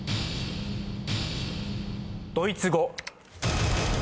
ドイツ語。